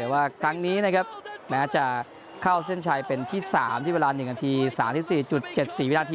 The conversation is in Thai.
แต่ว่าครั้งนี้นะครับแม้จะเข้าเส้นชัยเป็นที่๓ที่เวลา๑นาที๓๔๗๔วินาที